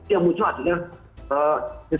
yang muncul adalah jasad khusus